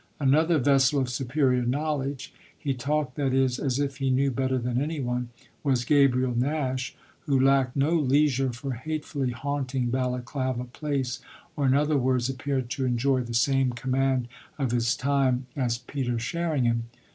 Another vessel of superior knowledge he talked, that is, as if he knew better than any one was Gabriel Nash, who lacked no leisure for hatefully haunting Balaklava Place, or in other words appeared to enjoy the same command of his time as Peter Sherringham.